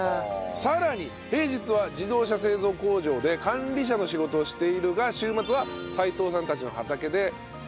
さらに平日は自動車製造工場で管理者の仕事をしているが週末は齊藤さんたちの畑で出荷までお手伝いしているという。